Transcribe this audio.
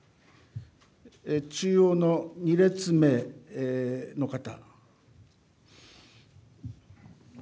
中央の２列目の方。